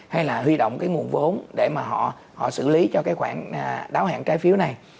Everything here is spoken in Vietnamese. hay là huy động cái nguồn vốn để mà họ xử lý cho cái khoản đáo hạn trái phiếu này